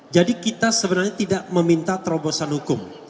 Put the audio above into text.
jadi kita sebenarnya tidak meminta terobosan hukum